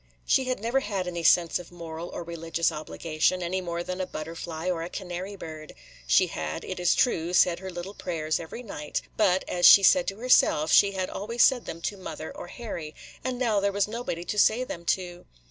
She had never had any sense of moral or religious obligation, any more than a butterfly or a canary bird. She had, it is true, said her little prayers every night; but, as she said to herself; she had always said them to mother or Harry, and now there was nobody to say them to.